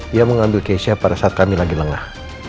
dia mengambil keisha pada saat kami lagi lengah